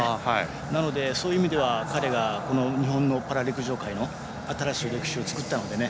なので、そういう意味では彼がパラ陸上界の新しい歴史をつくったのでね。